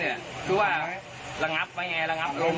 ซื้อว่ารังงับแบบไง